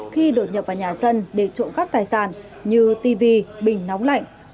khi đột nhập vào nhà sân để trộn các tài sản như tv bình nóng lạnh